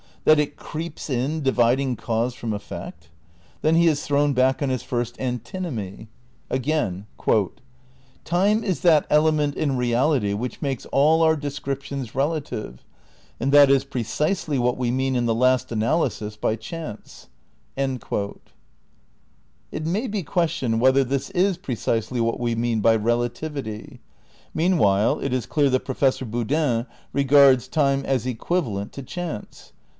That it "creeps in," dividing cause from effect? Then he is thrown back on his first antinomy. Again: "Time is that element in reality which makes all our descriptions relative; and that is precisely what we mean in the last analj'sis by chance."' It may be questioned whether this is precisely what we mean by relativity. Meanwhile it is clear that Pro fessor Boodin regards time as equivalent to chance.